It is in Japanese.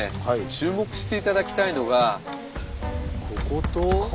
注目して頂きたいのがここと。